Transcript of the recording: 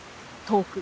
遠く？